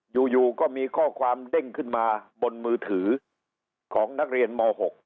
อยู่ก็มีข้อความเด้งขึ้นมาบนมือถือของนักเรียนม๖